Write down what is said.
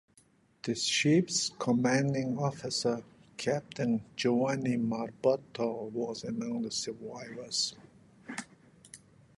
The ship's commanding officer, Captain Giovanni Marabotto, was among the survivors.